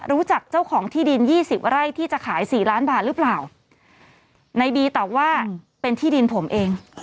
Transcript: รู้จักเจ้าของที่ดินยี่สิบไร่ที่จะขายสี่ล้านบาทหรือเปล่าในบีตอบว่าเป็นที่ดินผมเอง